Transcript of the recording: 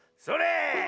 それ！